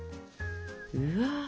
うわ。